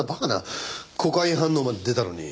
コカイン反応まで出たのに。